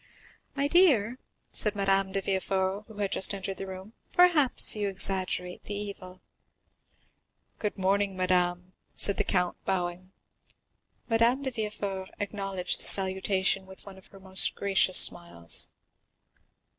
"My dear," said Madame de Villefort, who had just entered the room, "perhaps you exaggerate the evil." "Good morning, madame," said the count, bowing. Madame de Villefort acknowledged the salutation with one of her most gracious smiles.